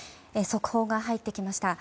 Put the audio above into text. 速報が入ってきました。